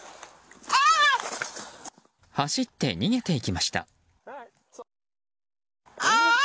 走って逃げていきました。